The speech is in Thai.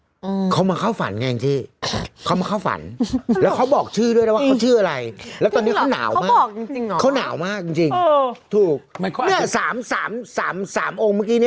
เออเขามาเข้าฝันไงที่เขามาเข้าฝันแล้วเขาบอกชื่อย์ด้วยว่า